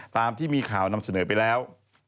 ตามที่มีข่าวนำเสนอไปแล้ว